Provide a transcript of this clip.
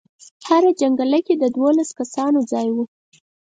هره جنګله کې د دولسو کسانو ځای و.